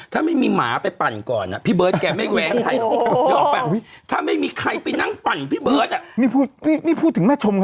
ถ้าไม่มีหมาไปปั่นก่อนพี่เบิร์ดแกไม่แวงใครหรอก